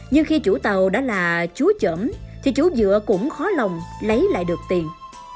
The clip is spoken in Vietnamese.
nhưng khi chủ tàu đã là chúa chởm thì chủ dựa cũng khó lòng lấy lại được tiền